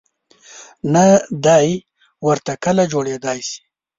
نه دای ورته کله جوړېدای شي.